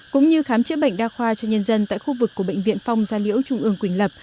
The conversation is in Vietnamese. cũng như khám chữa bệnh đa khoa cho nhân dân tại khu vực của bệnh viện phong gia liễu trung ương quỳnh lập